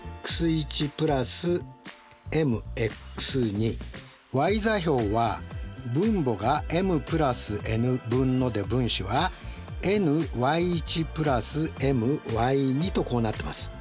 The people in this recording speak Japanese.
ｍｘｙ座標は分母がｍ＋ｎ分ので分子はｎｙ＋ｍｙとこうなってます。